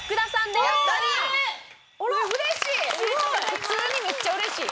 普通にめっちゃ嬉しい。